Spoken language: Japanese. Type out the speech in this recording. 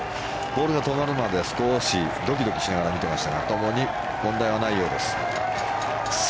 ボールが止まるまで少しドキドキしながら見ていましたが問題はないようです。